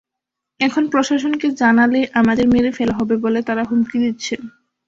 এখন প্রশাসনকে জানালে আমাদের মেরে ফেলা হবে বলে তারা হুমকি দিচ্ছে।